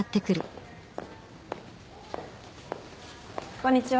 こんにちは。